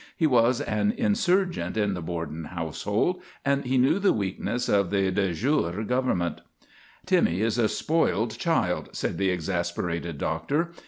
He was an insurgent in the Borden household, and he knew the weakness of the de jure government. " Timmy is a spoiled child," said the exasperated doctor.